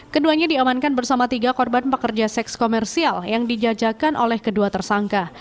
keduanya diamankan bersama tiga korban pekerja seks komersial yang dijajakan oleh kedua tersangka